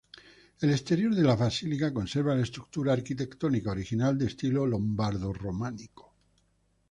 El exterior de la basílica conserva la estructura arquitectónica original de estilo lombardo-románico.